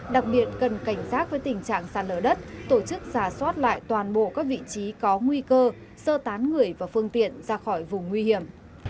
đặc biệt cần cảnh giác với tình trạng sạt lở đất tổ chức giả soát lại toàn bộ các vị trí có nguy cơ sơ tán người và phương tiện ra khỏi vùng nguy hiểm